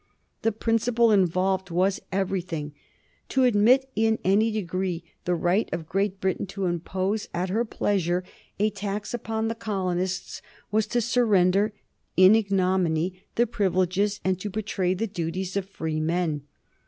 The principle involved was everything. To admit in any degree the right of Great Britain to impose at her pleasure a tax upon the colonists was to surrender in ignominy the privileges and to betray the duties of free men.